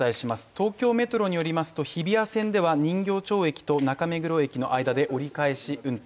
東京メトロによりますと、日比谷線では人形町駅と中目黒駅の間で折り返し運転。